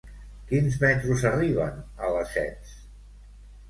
Quins metros arriben a Lesseps?